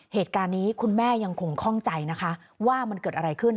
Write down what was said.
เหตุการณ์นี้คุณแม่ยังคงคล่องใจนะคะว่ามันเกิดอะไรขึ้น